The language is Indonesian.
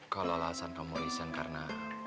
kalau alasan kamu resign karena